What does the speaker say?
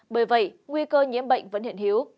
bởi vậy nguy cơ nhiễm bệnh vẫn hiện hiếu